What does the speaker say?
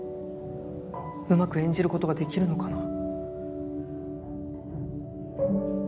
うまく演じることができるのかな